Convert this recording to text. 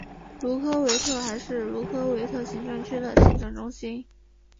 卢科维特还是卢科维特行政区的行政中心。